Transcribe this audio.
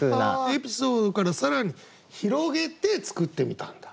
エピソードから更に広げて作ってみたんだ。